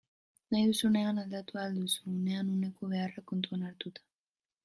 Nahi duzunean aldatu ahal duzu, unean uneko beharrak kontuan hartuta.